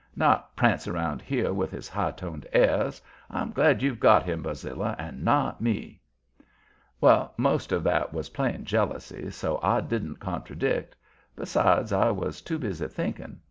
Not prance around here with his high toned airs. I'm glad you've got him, Barzilla, and not me." Well, most of that was plain jealousy, so I didn't contradict. Besides I was too busy thinking.